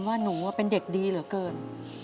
ว่าหนูเป็นเด็กดีเหลือเกิน